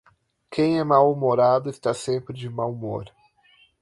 Quem é mal-humorado está sempre de mau humor!